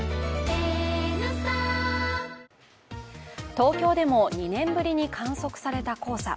東京でも２年ぶりに観測された黄砂。